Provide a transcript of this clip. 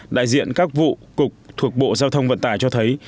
đại diện các vụ cục thuộc bộ giao thông vận tải cho thấy